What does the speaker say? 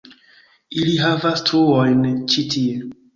Ili havas truojn ĉi tie